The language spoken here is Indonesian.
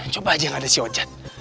coba aja gak ada si ojat